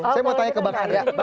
saya mau tanya ke bang andre